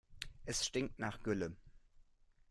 Es stinkt nach Gülle.